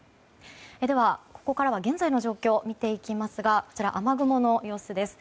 では、ここからは現在の状況を見ていきますが雨雲の様子です。